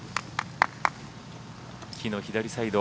木の左サイド